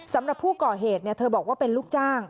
สำหรับผู้ก่อเหตุเธอบอกว่าเป็นลูกจ้าง